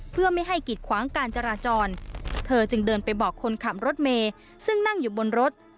เพื่อไม่ให้กิดขวางการจราจรเธอจึงเดินไปบอกคนขับรถเมย์ซึ่งนั่งอยู่บนรถ